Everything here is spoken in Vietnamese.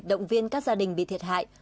động viên các gia đình bị thiệt hại